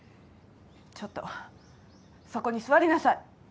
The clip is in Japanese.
ちょっとそこに座りなさい。